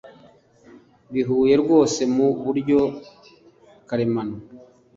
bihuye rwose mu buryo karemano